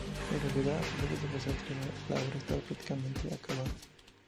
En realidad, a pesar del desastre, la obra estaba prácticamente acabada.